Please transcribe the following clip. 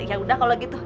ya udah kalau gitu